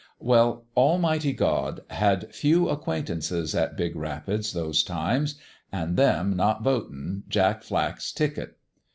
well, Al mighty God had few acquaintances at Big Rap ids those times, an' them not votin' Jack Flack's ticket.